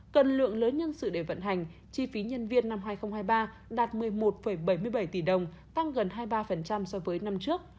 cần lượng lớn nhân sự để vận hành chi phí nhân viên năm hai nghìn hai mươi ba đạt một mươi một bảy mươi bảy tỷ đồng tăng gần hai mươi ba so với năm trước